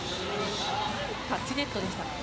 タッチネットでしたね。